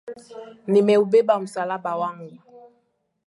Nimeubeba msalaba wangu.